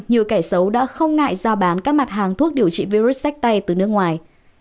nhiều kẻ xấu đã không ngại ra bán các mặt hàng thuốc điều trị virus sách tay từ nước ngoài